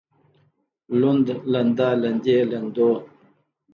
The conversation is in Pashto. لوند لنده لندې لندو